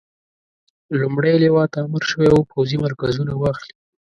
لومړۍ لواء ته امر شوی وو پوځي مرکزونه واخلي.